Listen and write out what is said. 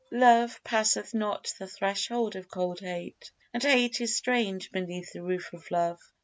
Love passeth not the threshold of cold Hate, And Hate is strange beneath the roof of Love.